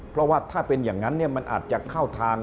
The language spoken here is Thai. เพราะว่าถ้าเป็นอย่างนั้นมันอาจจะเข้าทาง